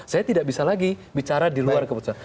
saya tidak bisa lagi bicara di luar keputusan